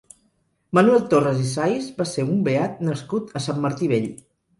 Manuel Torras i Sais va ser un beat nascut a Sant Martí Vell.